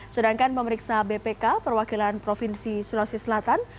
sedangkan pemeriksa bpk perwakilan provinsi sulawesi selatan